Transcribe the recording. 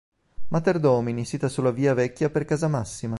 Materdomini, sita sulla via vecchia per Casamassima.